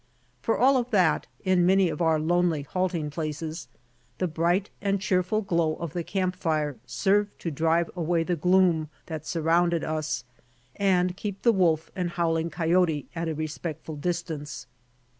Fior all that, in many of our lonely halting places, the bright and cheerful glow of the camp fire served to drive away the gloom that surrounded us, and keep the wolf and howling coyote at a respectful distance.